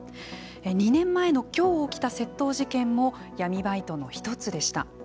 ２年前の今日、起きた窃盗事件も闇バイトの１つでした。